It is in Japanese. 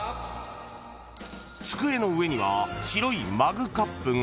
［机の上には白いマグカップが］